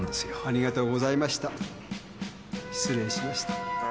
失礼しました。